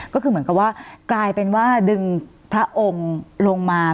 ก็คือเหมือนกับว่ากลายเป็นว่าดึงพระองค์ลงมา